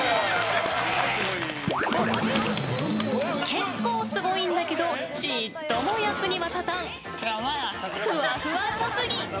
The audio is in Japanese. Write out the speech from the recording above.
結構すごいんだけどちっとも役には立たんふわふわ特技。